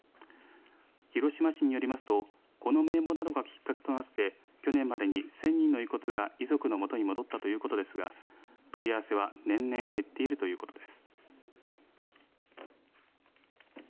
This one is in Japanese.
広島市によりますとこの名簿などがきっかけとなって去年までに１０００人の遺骨が遺族の元に戻ったということですが問い合わせは年々減っているということです。